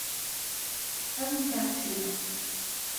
Awit-aɣ-tt-id.